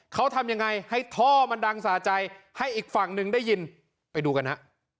เขาทำยังไงให้ท่อมันดังสะใจให้อีกฝั่งหนึ่งได้ยินไปดูกันฮะ